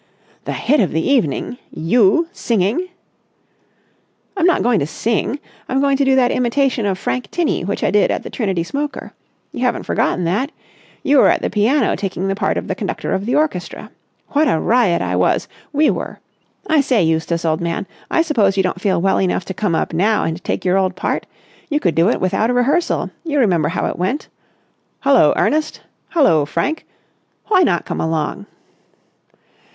"The hit of the evening! You! Singing!" "I'm not going to sing. I'm going to do that imitation of Frank Tinney which I did at the Trinity smoker. You haven't forgotten that? You were at the piano taking the part of the conductor of the orchestra. What a riot I was—we were! I say, Eustace, old man, I suppose you don't feel well enough to come up now and take your old part? You could do it without a rehearsal. You remember how it went.... 'Hullo, Ernest!' 'Hullo, Frank!' Why not come along?"